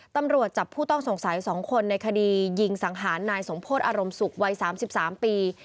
ตำรวจจับผู้ต้องสงสัย๒คนในคดียิงสังหารนายสมโพธิอารมณ์สุขวัย๓๓ปี